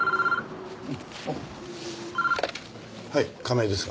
はい亀井ですが。